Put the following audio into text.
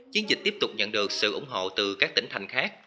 chiến dịch tiếp tục nhận được sự ủng hộ từ các tỉnh thành khác